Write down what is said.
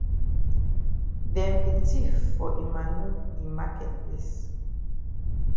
Dem be tif for Emmanu yi maket place.